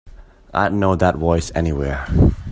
I'd know that voice anywhere.